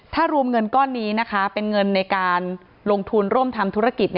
ถ้ารวมเงินก้อนนี้นะคะเป็นเงินในการลงทุนร่วมทำธุรกิจ